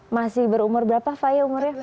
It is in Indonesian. masih berumur berapa faya umurnya